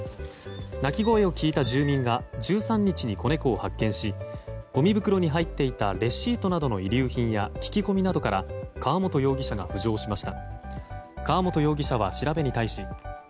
鳴き声を聞いた住民が１３日に子猫を発見しごみ袋に入っていたレシートなどの遺留品や聞き込みなどから川本容疑者が浮上しました。